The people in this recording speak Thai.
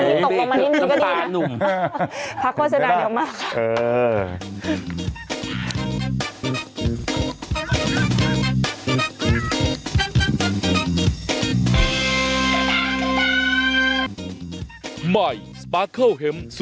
อยว่าตกลงรอมไหนมันก็ดี